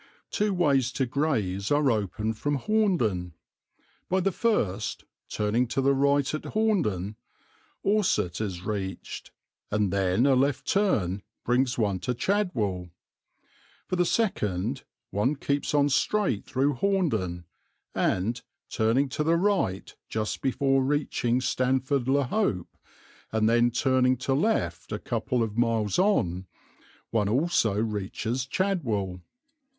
Two ways to Grays are open from Horndon. By the first, turning to the right at Horndon, Orsett is reached, and then a left turn brings one to Chadwell. For the second, one keeps on straight through Horndon and, turning to the right just before reaching Stanford le Hope, and then turning to left a couple of miles on, one also reaches Chadwell.